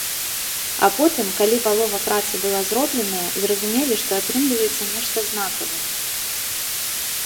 А потым, калі палова працы была зробленая, зразумелі, што атрымліваецца нешта знакавае.